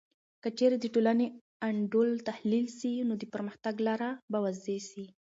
که چیرې د ټولنې انډول تحلیل سي، نو د پرمختګ لاره به واضح سي.